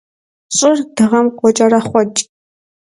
Щӏыр Дыгъэм къокӏэрэхъуэкӏ.